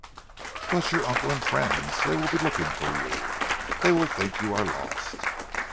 "But your uncle and friends. They will be looking for you, they will think you are lost."